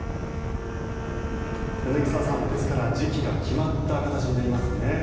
柳澤さん、ですから時期が決まった形になりますね。